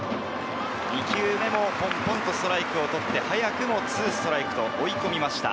２球目もポンポンとストライクをとって早くも２ストライクと追い込みました。